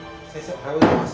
おはようございます。